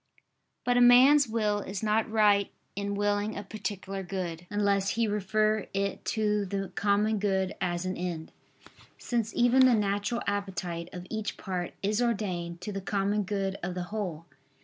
But a man's will is not right in willing a particular good, unless he refer it to the common good as an end: since even the natural appetite of each part is ordained to the common good of the whole.